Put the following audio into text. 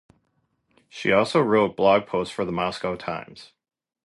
She also wrote blog posts for The Moscow Times.